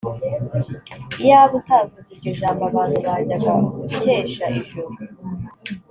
iyaba utavuze iryo jambo abantu bajyaga gukesha ijoro